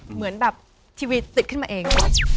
เหมือนแบบทีวีติดขึ้นมาเอง